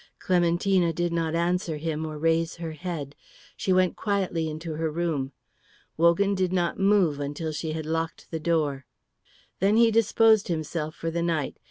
Clementina did not answer him or raise her head. She went quietly into her room. Wogan did not move until she had locked the door. Then he disposed himself for the night.